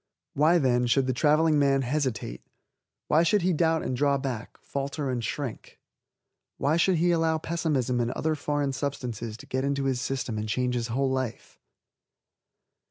Why, then, should the traveling man hesitate? Why should he doubt and draw back, falter and shrink? Why should he allow pessimism and other foreign substances to get into his system and change his whole life?